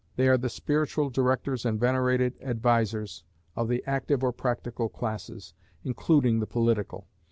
They are the spiritual directors, and venerated advisers, of the active or practical classes, including the political.